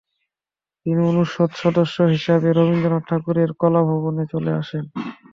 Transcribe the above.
তিনি অনুষদ সদস্য হিসাবে রবীন্দ্রনাথ ঠাকুরের কলাভবনে চলে আসেন।